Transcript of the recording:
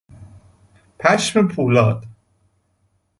پشم پولاد